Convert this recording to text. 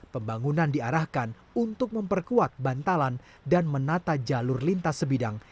pembangunan diarahkan untuk memperkuat bantalan dan menata jalur lintas sebidang